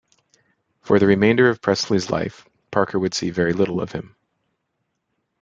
For the remainder of Presley's life, Parker would see very little of him.